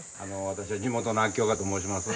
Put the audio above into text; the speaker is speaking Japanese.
私は地元の秋岡と申します。